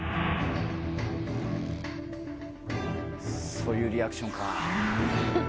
そういうリアクションか。